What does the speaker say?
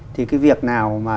thì cái việc nào mà